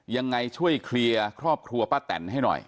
ยังไงช่วยเคลียร์ครอบครัวป้าแตนให้หน่อย